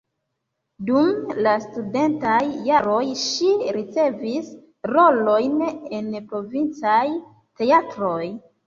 Dum la studentaj jaroj ŝi ricevis rolojn en provincaj teatroj.